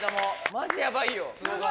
マジヤバいよ。